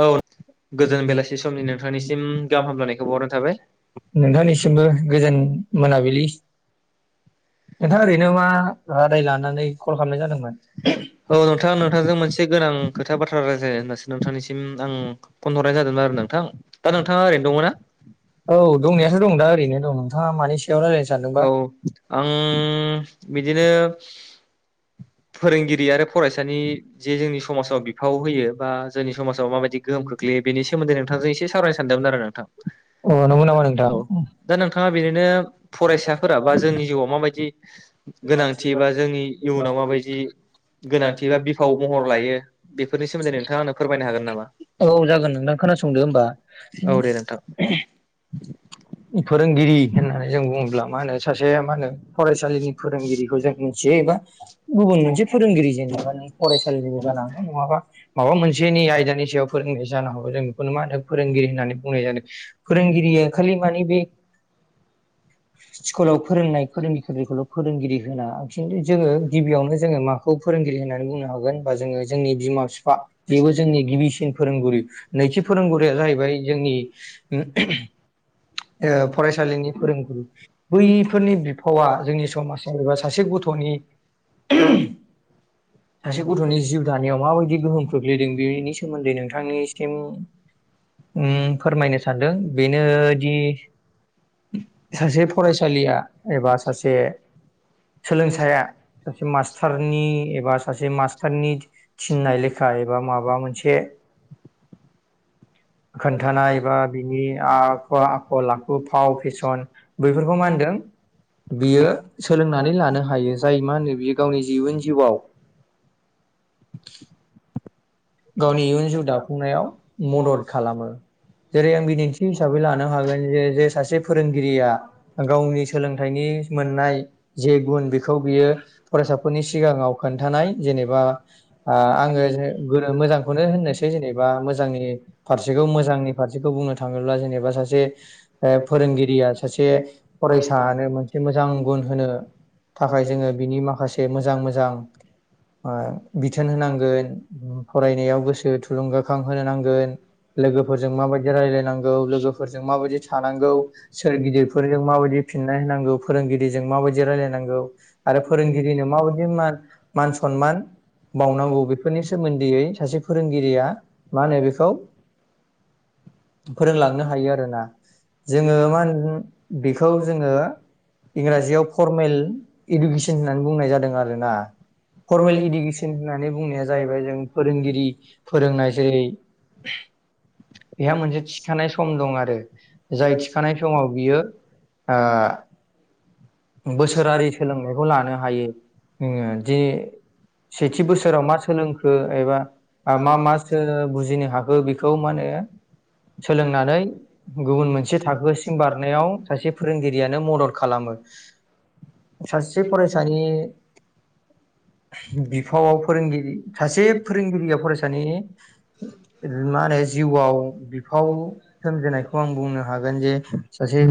औ गोजोन बेलासि समनि नोंथांनिसिम गाहाम हामलायनायखौ बावहरनाय थाबाय नोंथांनिसिमबो गोजोन मोनाबिलि नोंथाङा ओरैनो मा रादाय लानानै कल खालामनाय जादोंमोन औ नोंथां नोंथांजों मोनसे गोनां खोथा बाथ्रा रायज्लायनो होन नोंथांनिसिम आं फन हरनाय जादोंमोन आरो नोंथां दा औ नोंथाङा दंनायाथ' ओरैनो दङना दं दा ओरैनो दं नोंथाङा मानि सा औ आं बि दिनो फोरोंगिरि आरो फरायसानि जे जोंनि समाजाव बिफाव होयो बा जोंनि समाजाव माबायदि गोहोम खोख्लैयो बेनि सोमोन्दै नोंथांजों एसे सावरायनो सानदोंमोन आरो नोंथां अ नंगौ नामा नोंथां औ दा नोंथाङा बेनिनो फरायसाफोरा बा जोंनि जिउआव माबायदि गोनांथि एबा जोंनि इयुनाव औ जागोन माबायदि गोनांथि बा बिफाव महर लायो बेफोरनि सोमोन्दै नोंथाङा आंनो फोरमायनो हागोन नामा? नोंथां खोनासंदो होमबा। औ दे नोंथां। फोरोंगिरि होननानै जों बु ङोब्ला मा होनो सासे मा होनो फरायसालिनि फोरोंगिरिखौ जों साया एबा गुबुन मोनसे फोरोंगिरि जेनेबा नों फरायसालिनिबो जानो हागौ नङाबा माबा मोनसेनि आयदानि सायाव फोरोंनाय जानो हागौ जों बेखौनो मा होनो फोरोंगिरि होननानै बुंनाय जादों फोरोंगिरि खालि मानि बे स्कुलाव फोरोंनाय फोरोंगिरिखौल' फोरोंगिरि होना खिन्थु जोङो गिबियावनो जोङो माखौ फोरोंगिरि होननानै बुंनो हागोन होनबा जोङो जोंनि बिमा बिफा बेबो जोंनि गिबिसिन फोरोंगुरु नैथि फोरोंगुरुया जाहैबाय जोंनि [unintelligible] ओ फरायसालिनि फोरोंगुरु बैफोरनि बिफावा जोंनि समाजाव एबा सासे गथ'नि [unintelligible] सासे गथ'नि जिउ दानायाव माबायदि गोहोम खोख्लैदों बेनि सोमोन्दै नोंथांनिसिम फोरमायनो ओम सानदों बेनो। दि सासे फरायसालिया एबा सासे सोलोंसाया सासे मास्टारनि एबा सा जे मास्टारनि थिननाय लेखा एबा माबा मोनसे खोन्थानाय एबा बिनि आ बा आखल आखु फाव फेसन बैफोरखौ मा होनदों बियो सोलोंनानै लानो हायो जाय मा होनो बियो गावनि इउन जिउआव गावनि इयुन जिउ दाफुंनायाव मदद खालामो जेरै आं बिदिन्थि हिसाबै लानो हागोन जे जे सासे फोरोंगिरिया गावनि सोलोंथाइनि मोननाय जे गुन बेखौ बियो फरायसाफोरनि सिगाङाव खोन्थानाय जेनेबा ओ आङो [unintelligible] मोजांखौनो होननोसै जेनेबा मोजांनि फारसेखौ मोजांनि फारसेखौ बुंनो थाङोब्ला जेनेबा सासे ओ फोरोंगिरिया सासे फरायसानो मोनसे मोजां गुन होनो थाखाय जोङो बिनि माखासे मोजां मोजां ओ बिथोन होनांगोन फरायनायाव गोसो थुलुंगाखां होनो नांगोन लोगोफोरजों माबायदि रायलायनांगौ लोगोफोरजों माबायदि थानांगौ सोर गिदिरफोरजों माबायदि फिननाय होनांगौ फोरोंगिरिजों माबायदि रायलायनांगौ आरो फोरोंगिरिनो माबायदि मान मान सनमान बावनांगौ बेफोरनि सो‌ मोन्दैयै सासे फोरोंगिरिया मा होनो बेखौ फोरोंलांनो हायो आरोना जोङो मा होनो बेखौ जोङो इंराजियाव फरमेल इडुकेसन होननानै बुंनाय जादों आरोना फरमेल इडुकेसन होननानै बुंनाया जाहैबाय जों फोरोंगिरि फोरोंनाय जेरै बेहा मोनसे थिखानाय सम दं आरो जाय थिखानाय समाव बियो ओ बोसोरारि सोलोंनायखौ लानो हायो ओ दि सेथि बोसोराव मा सोलोंखो एबा मा मा मा सो बुजिनो हाखो बेखौ माने सोलोंनानै गुबुन मोनसे थाखोसिम बारनायाव सासे फोरोंगिरियानो मदद खालामो सासे फरायसानि बिफावाव फोरोंगिरि सासे फोरोंगिरिया फरायसानि ओ मा होनो बिफाव सोमजिनायखौ आं बुंनो हागोन जे सासे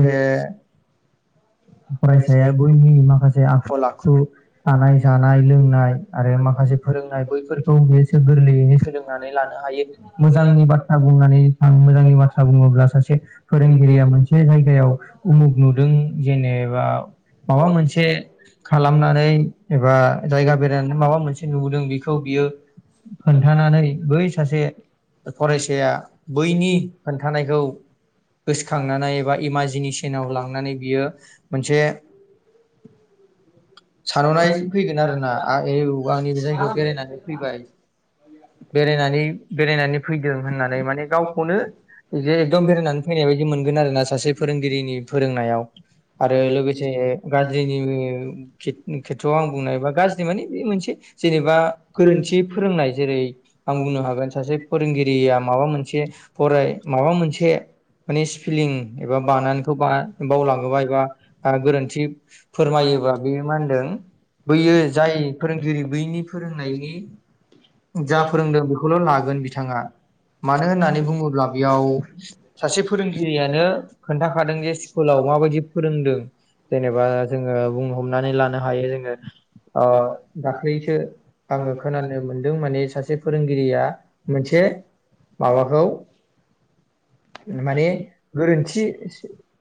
फरायसाया बैनि माखासे आखल आखु थानाय जानाय लोंनाय आरो माखासे फोरोंनाय बै फोरखौ बेसोर गोरलैयैनो सोलोंनानै लानो हायो मोजांनि बाथ्रा बुंनानै आं मोजांनि बाथ्रा बुङोब्ला सासे फोरोंगिरिया मोनसे जायगायाव उमुख नुदों जेनेबा माबा मोनसे खालामनानै एबा जायगा बेरायनानै माबा मोनसे नुबोदों बेखौ खौ बियो खोन्थानानै बै सासे फरायसा सेया बैनि खोनथानायखौ गोसोखांनानै बा इमाजिनेसनाव लांनानै बियो मोनसे सानहरनाय फैगोन आरोना आ ए औ आं नै बे जायगायाव बेरायनानै फैबाय बेरायनानै बेरायनानै फैदों। होननानै माने गावखौनो जे एकदम बेरायनानै फैनाय बायदि मोनगोन आरोना सासे फोरोंगिरिनि फोरोंनायाव आरो लोगोसे गाज्रिनि खे खेथ्रआव आं बुंनायबा गाज्रि मानि बे मोनसे जेनेबा गोरोन्थि फोरोंनाय जेरै आं बुंनो हागोन सासे फोरोंगिरि रिया माबा मोनसे फराय माबा मोनसे माने स्पिलिं एबा बानानखौ बावलाङोबा एबा गोरोन्थि फोरमायोबा बेयो मा होनदों बैयो जाय फोरोंगिरि बैनि फोरोंनायनि [inaudible] जा फोरोंदों बेखौल' लागोन बिथाङा मानो होननानै बुङोब्ला बेयाव सासे फोरोंगिरियानो खोन्थाखादों जे स्कुलाव माबायदि फोरोंदों जेनेबा जोङो बुं हमनानै लानो हायो जोङो ओ दाख्लैसो आङो खोनानो मोन माने सासे फोरोंगिरिया मोनसे माबाखौ माने गोरोन्थि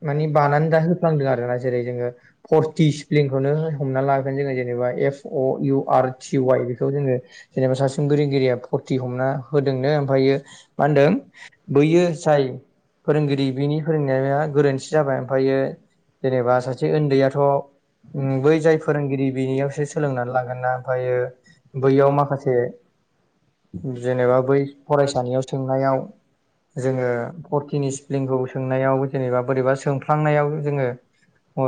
माने बानानै दा होफ्लांदों आरोना जेरै जोङो फरटि स्प्लिनखौनो हमना लाबोगोन जोङो जेनेबा F O U R T Y बेखौ जोङो जेनेबा सासिन फोरोंगिरिया फरथि हमना होदोंनो मा होनदों बैयो जाय फोरोंगिरि बिनि फोरोंनाया गोरोन्थि जाबाय ओमफायो जेनेबा सासे उन्दैयाथ ओम बै जाय फोरोंगिरि बिनियावसो सोलोंनानै लागोन ना ओमफ्रायो बैयाव माखासे जे जेनेबा बै सानियाव सोंनायाव जोङो फरटिनि स्पेलिंखौ सोंनायाव जेनेबा बोरैबा सोंफ्लांनायाव जोङो ओ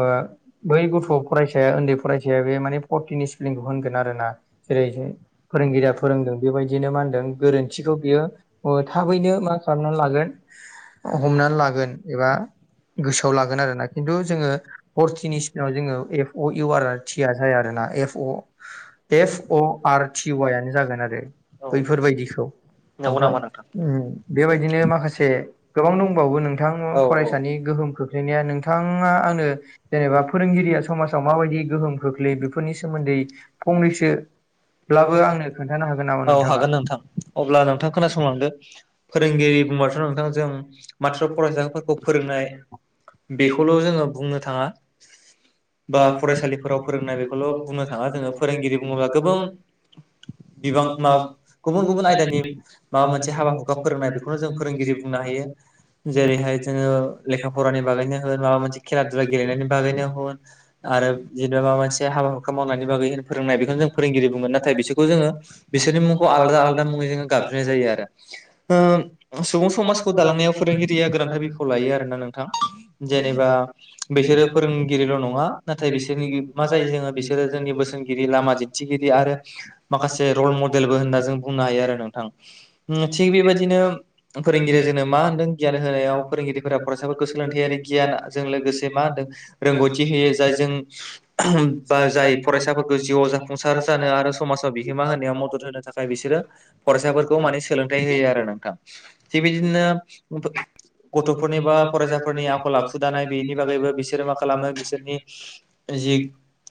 बै गथ' फरायसाया ओन्दै फरायसाया बे माने फरटिनि स्पेलिंखौ होनगोन आरोना जेरै जों दा फोरोंगिरिया फोरोंदों बेबायदिनो मा होनदों गोरोन्थिखौ ओ थाबैनो मा खालामनानै लागोन हमनानै लागोन एबा गोसोआव लागोन आरोना खिन्थु जोङो फरथिनि सिगाङाव जोङो F O U R R T आ जाया आरोना F O F O R टिवायानो जागोन आरो बैफोरबायदिखौ नंगौ ओमफाय नामा नोंथां? ओम बेबायदिनो माखासे गोबां दंबावो नोंथां फरायसानि गोहोम खोख्लैनाया नोंथाङा आंनो जेनेबा फोरोंगिरिया समाजाव माबायदि गोहोम खोख्लैयो बेफोरनि सोमोन्दै फंनैसो ब्लाबो आंनो खोन्थानो हागोन नामा औ नोंथाङा हागोन नोंथां अब्ला नोंथां [unintelligible] खोनासंलांदो फोरोंगिरि बुंबाथ' नोंथां जों माथ्र फरायसाफोरखौ फोरोंनाय बेखौल' जोङो बुंनो थाङा बा फरायसालिफोराव फोरोंनाय बेखौल' बुंनो थाङा जोङो फोरोंगिरि बुङोब्ला गोबां बिबां मा गुबुन गुबुन आयदानि माबा मोनसे हाबा हुखा फोरोंनाय बेखौनो जों फोरोंगिरि बुंनो हायो जेरैहाय जोङो लेखा फरानि बागैनो होन माबा मोनसे खेला दुला गेलेनायनि बागैनो होन आरो जेनेबा माबा मोनसे हाबा हुखा मावनायनि बागै होन फोरोंनाय बेखौनो जों फोरोंगिरि बुंगोन ना बिसोरखौ जोङो बिसोरनि मुंखौ आलादा आलादा मुङै जोङो गाब ज्रिनाय जायो आरो ओ सुबुं समाजखौ दालांनायाव फोरोंगिरिया गोनांथार बिफाव लायो आरोना नोंथां जेनेबा बिसोरो फोरोंगिरिल' नङा नाथाय बिसोरनि मा जायो जोङो बिसोरो जोंनि बोसोनगिरि लामा दिन्थिगिरि आरो माखासे रल मडेलबो होनना जों बुंनो हायो आरो नोंथां उम थिग बेबायदिनो फोरोंगिरिया जोंनो मा होनदों गियान होनायाव फोरोंगिरिफोरा फरायसाफोरखौ सोलोंथायारि गियान जों लोगोसे मा होनदों रोंगौथि होयो जायजों बा जाय फरायसाफोरखौ जिउआव जाफुंसार जानो आरो समाज बिहोमा होनायाव मदद होनो थाखाय बिसोरो फरायसाफोर खौ माने सोलोंथाइ होयो आरो नोंथां थिग बिदिनो गथ'फोरनि बा फरायसाफोरनि आखल आखु दानाय बेनि बागैबो बिसोरो मा खालामो बिसोरनि जि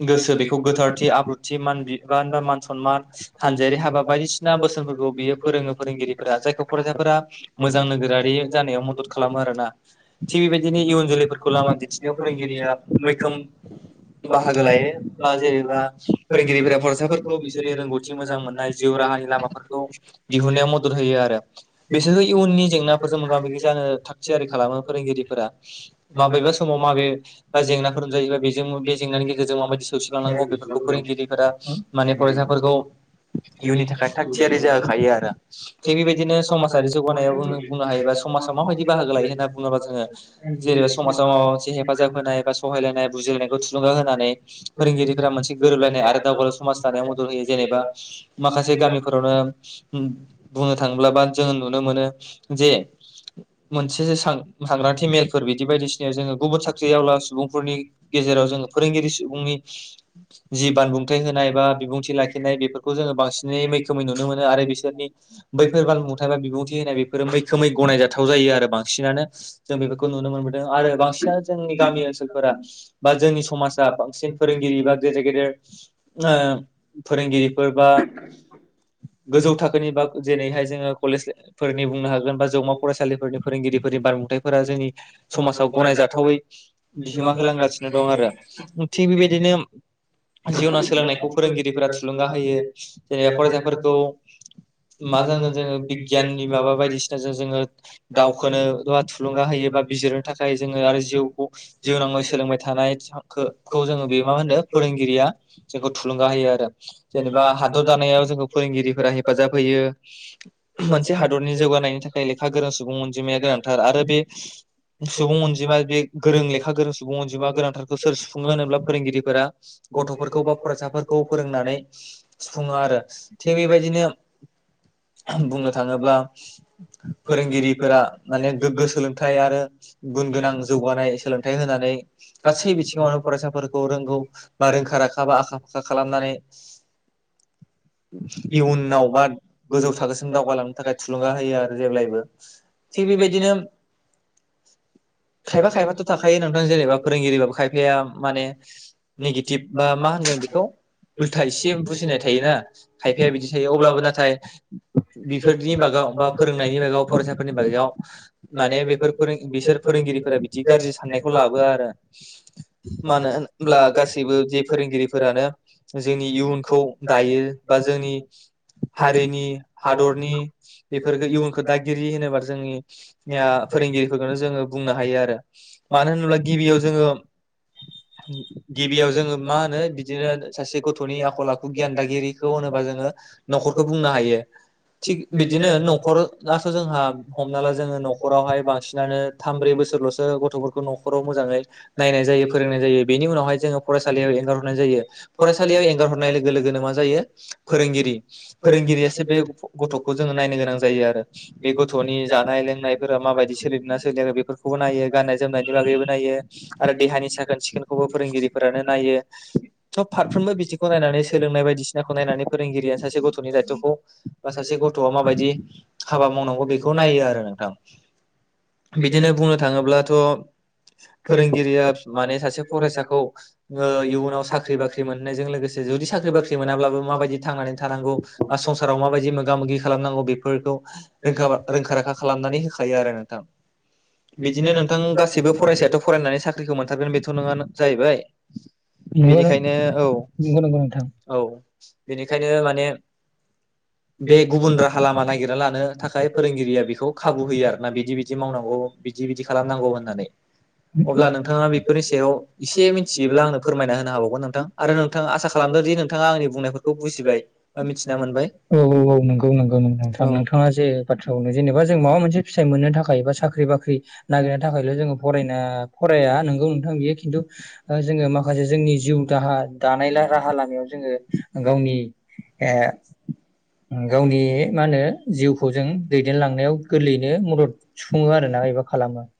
गोसो बेखौ गोथारथि आब्रुथि मान बिब बा म सनमान हानजायारि हाबा बायदिसिना बोसोनफोरखौ बियो फोरोङो फोरोंगिरिफोरा जायखौ फरायसाफोरा मोजां नोगोरारि जानायाव मदद खालामो आरोना थिग बेबायदिनो इयुन जोलैफोरखौ लामा दिन्थिनायाव फोरोंगिरिया मैखोम बाहागो लायो बा जेनेबा फोरोंगिरिफोरा फरायसाफोरखौ बिसोरनि रोंगौथि मोजां मोननाय जिउ राहानि लामाफोरखौ दिहुनायाव मदद होयो आरो बिसोरो इयुननि जेंनाफोरजों मोगा मोगि जानो थाग थियारि खालामो फोरोंगिरिफोरा माबेबा समाव माबेबा जेंनाफोर जायोैबा बेजों बे जेंनानि गेजेरजों माबायदि सौसिलांनांगौ बेफोरखौ फोरोंगिरिफोरा माने फरायसाफोरखौ इयुननि थाखाय थाग थियारि जाहोखायो आरो थिग बेबायदिनो समाजारि जौगानायाव बुंनो हायोबा समाजाव माबायदि बाहागो लायो होनना बुङोबा जोङो जेनेबा समाजाव माबा मोनसे हेफाजाब होनाय बा सहायलायनाय बुजिलायनायखौ थुलुंगा होनानै फोरोंगिरिफोरा मोनसे गोरोबलायनाय आरो दावगालाव समाज मदद होयो जेनेबा माखासे गामिफोरावनो बुंनो थांङोब्ला जोङो नुनो मोनो जे मोनसे सांग्रांथि मेलफोर बिदि बायदिसिनायाव जोङो गुबुन साख्रियावला सुबुंफोरनि गेजेराव जोङो फोरोंगिरि सुबुंनि जि बानबुंथाय होन नायबा बिबुंथि लाखिनाय बेफोरखौ जोङो बांसिनै मैखोमै नुनो मोनो आरो बिसो बिनि बैफोर बानबुंथाया बा बिबुंथि होनाय बेफोरो मैखोमै गनायजाथाव जायो आरो बांसिनानो जों बेफोरखौ नुनो मोनबोदों आरो बांसिनानो जोंनि गामि ओनसोलफोरा बा जोंनि समाजा बांसिन जेंनाफोर फोरोंगिरि बा गेजेर गेदेर ओ फोरोंगिरिफोर बा गोजौ थाखो बा जेरैहाय जोङ कलेजफोरनि बुंनो हागोन बा जौमा फरायसालिफोरनि फोरोंगिरिफोरनि बानबुंथायफोरा जोंनि समाजाव गनायजाथावै बिहोमा होलांगासिनो दं थिग बेबायदिनो [unintelligible] सोलोंनायखौ फोरोंगिरिफोरा थुलुंगा होयो जेनेबा फरायसाफोरखौ मा जोन जोङो बिगियाननि माबा बायदिसिनाजों जोङो दावखोनो बा थुलुंगा होयो बा बिजिरनो थाखाय जोङो आरो जिउखौ जिउ नाङै सोलोंबाय थानायखौ जोङो बेयो मा होनो फोरोंगिरिया थुलुंगा होयो आरो जेनेबा हादर दानायाव जों फोरोंगिरिफोरा हेफ हेफाजाब होयो मोनसे हादरनि जौगानायनि थाखाय लेखा गोरों सुबुं अनजिमाया गोनांथार आरो बे सुबुं अनजिमाया बे गोरों लेखा गोरों सुबुं अनजिमा गोनांथारखौ सोर सुफुङो होनोब्ला फोरोंगिरिफोरा गथ'फोरखौ बा फरायसाफोरखौ फोरोंनानै सुफुङो आरो थिग बेबायदिनो बुंनो थाङोब्ला फोरोंगिरिफोरा माने गोग्गो सोलोंथाइ आरो गुन गोनां जौगानाय सोलोंथाइ होनानै गासै बिथिङावनो फरायसाफोरखौ रोंगौ बा रोंखा राखा हाबा आखा फाखा खालामनानै इयुनाव गोजौ थाखोसिम दावगालांनो थाखाय थुलुंगा होयो आरो जेब्लायबो थिग बेबायदिनो खायफा खायफाथ' थाखायो नोंथां जेनेबा फोरोंगिरि खायफाया माने नेगेटिभ बा मा होनदों बेखौ उल्था एसे बुजिनाय थायोना खायफाया बिदि थायो अब्लाबो नाथाय बिफोरनि बागाव बा हारिनि फोरोंनायनि बागाव फरायसाफोरनि बागायाव माने हादरनि बेफोर फोरों बिसोर फोरोंगिरिफोरा बिदि गाज्रि साननायखौ लाबोआ आरो मानो होनब्ला गासैबो जे फोरोंगिरिफोरानो जोंनि इयुनखौ दायो बा जोंनि हारिनि हादरनि बेफोरबायदि बेफोरफोरखौ इयुनखौ दागिरि होनोबा जोंनि फोरोंगिरिफोरखौनो जोङो बुंनो हायो आरो मानो होनोब्ला गिबियाव जोङो गिबियाव जोङो मा होनो बिदिनो सासे गथ'नि आखल आखु गियान दागिरि थ' होनोबा जोङो न'खरखौ बुंनो हायो थिग बिदिनो गेलेनायखौ होनोबा जोङो न'खरखौ बिदिनो न'खर न'खरआसो जोंहा हमना ला जोङो न'खरावहाय बांसिनानो थाम ब्रै बोसोरल'सो गथ'फोरखौ न'खराव मोजाङै नायनाय जायो फोरोंनाय जायो बेनि उनावहाय जोङो फरायसालियाव एंगार हरनाय जायो फरायसालियाव एंगार हरनाय लोगो लोगोनो मा जायो फोरोंगिरि फोरोंगिरियासो बे गथ'खौ जोङो नायो नायनो गोनां जायो आरो बे गथ'नि जानाय लोंनायफोरा माबायदि सोलिदों ना सोलिआखै आरो बेफोरखौबो नायो गाननाय जोमनायनि बागैबो नायो आरो देहानि साखोन सिखोनखौबो फोरोंगिरिफोरानो नायो सब फारफ्रोमबो बिथिखौ नायनानै सोलोंनाय बायदिसिना खौ नायनानै फोरोंगिरिया सासे सासे गथ'नि दायथ'खौ बा बे सासे गथ'आ माबा माबायदि हाबा मावनांगौ बेखौ नायो आरो नोंथां बिदिनो बुंनो थाङोब्लाथ' फोरोंगिरि फोरोंगिरिया माने मानोना सासे फरायसाखौ ओ इयुनाव साख्रि बाख्रि मोननायजों लोगोसे जुदि साख्रि बाख्रि मोनाब्लाबो माबायदि थांनानै था थानांगौ बा संसाव माबायदि मोगा मोगि खालामनांगौ बेफोरखौखा रोंखा राखा खालामनानै होखायो आरो नोंथां बिदिनो नोंथां गासैबो फरायसायाथ' फरायनानै साख्रिखौ मोनथारगोन बेथ' नङा जाहैबाय बेनिखायनो औ नंगौ नंगौ नोंथां। औ बेनिखायनो बिनो बेखायनो माने बे गुबुन राहा लामा नागिरना लानो थाखाय फोरोंगिरिया बेखौ खाबु होयो आर ना बिदि बिदि मावनांगौ बिदि बिदि खालामनांगौ होननानै अब्ला नोंथाङा बेफोरनि सायाव एसे मिथियोब्ला आंनो फोरमायना होनो हाबावगोन नोंथां आरो नोंथाङा आसा खालामदोंदि नोंथाङा आंनि बुंनायफोरखौ मिथिबाय मिथिना मोनबाय औ औ औ नंगौ नंगौ नोंथां औ नोंथाङा जे बाथ्रा बुंनो जेनेबा जों माबा मोनसे फिथाइ मोननो थाखाय साख्रि बाख्रि नागिरनो थाखायल' जोङो फरायना फराया नोंगौ नोंथां बियो खिन्थु जोङो मा माखासे जोंनि जिउ दाहार दानाय राहा लामायाव जोङो गावनि ए गावनि मा होनो जिउखौ जों दैदेनलांनायाव गोरलैयैनो मदद सुफुङो आरोना एबा खालामो